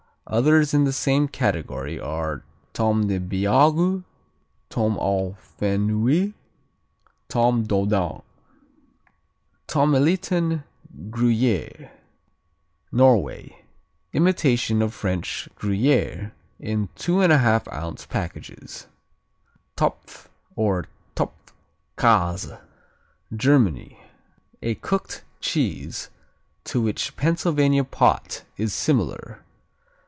Others in the same category are: Tome des Beagues, Tome au Fenouil, Tome Doudane. Tomelitan Gruyère Norway Imitation of French Gruyère in 2 1/2 ounce packages. Topf or Topfkäse Germany A cooked cheese to which Pennsylvania pot is similar.